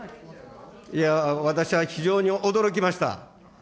いや、私は非常に驚きました。